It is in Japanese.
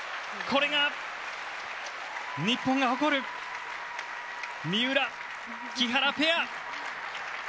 これが日本が誇る三浦、木原ペア！